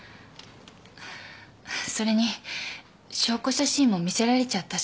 それに証拠写真も見せられちゃったし。